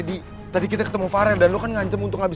ini panten kali